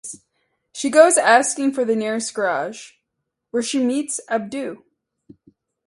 She goes asking for the nearest garage, where she meets Abdu.